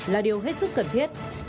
là điều hết sức cần thiết